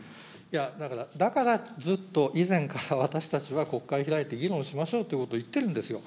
だから、だからずっと以前から私たちは国会を開いて、議論しましょうということを言ってるんですよ。